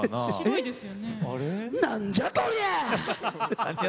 何じゃこりゃ！